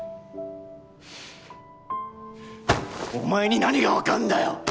お前に何がわかるんだよ！